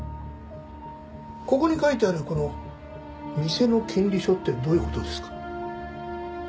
ここに書いてあるこの「店の権利書」ってどういう事ですか？